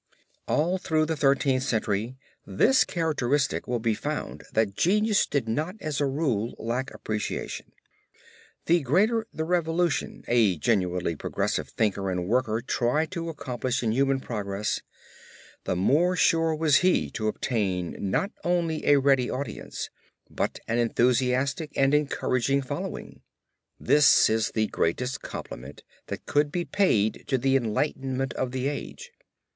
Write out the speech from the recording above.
All through the Thirteenth Century this characteristic will be found that genius did not as a rule lack appreciation. The greater the revolution a genuinely progressive thinker and worker tried to accomplish in human progress, the more sure was he to obtain not only a ready audience, but an enthusiastic and encouraging following. This is the greatest compliment that could be paid to the enlightenment of the age.